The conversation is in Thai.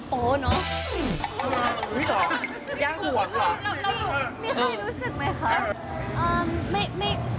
มีใครรู้สึกไหมคะ